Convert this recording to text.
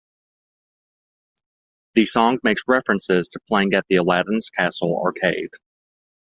The song makes references to playing at the Aladdin's Castle arcade.